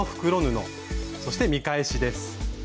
そして見返しです。